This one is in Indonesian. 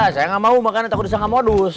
saya nggak mau makanya takut disangka modus